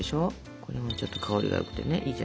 これもちょっと香りがよくてねいいじゃないですか。